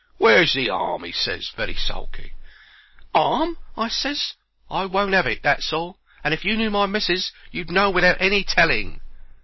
"Where's the 'arm?" he ses, very sulky. "'Arm?" I ses. "I won't 'ave it, that's all; and if you knew my missis you'd know without any telling."